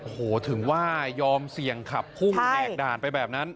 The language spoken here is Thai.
โอ้โหถึงว่ายอมเสี่ยงขับพุ่งแหกด่านไปแบบนั้น